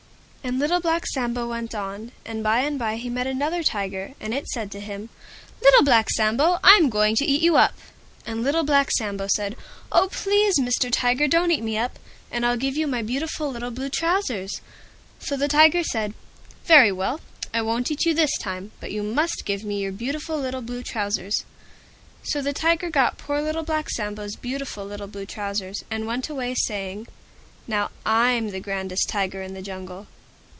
And Little Black Sambo went on, and by and by he met another Tiger, and it said to him, "Little Black Sambo, I'm going to eat you up!" And Little Black Sambo said, "Oh! Please Mr. Tiger, don't eat me up, and I'll give you my beautiful little Blue Trousers." So the Tiger said, "Very well, I won't eat you this time, but you must give me your beautiful little Blue Trousers." So the Tiger got poor Little Black Sambo's beautiful little Blue Trousers, and went away saying, "Now I'm the grandest Tiger in the Jungle."